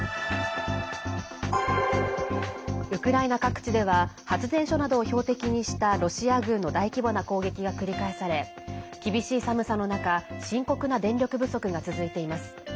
ウクライナ各地では発電所などを標的にしたロシア軍の大規模な攻撃が繰り返され厳しい寒さの中深刻な電力不足が続いています。